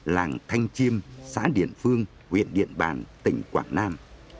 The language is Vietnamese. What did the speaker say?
làng thanh chiêm xã điện phương huyện điện bàn tỉnh quảng nam